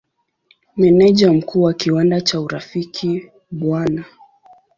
Meneja Mkuu wa kiwanda cha Urafiki Bw.